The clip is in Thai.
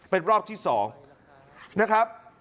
เป็นรอบที่๒นะครับ